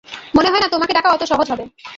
মনে হয় না তোমাকে ডাকা অত সহজ হবে।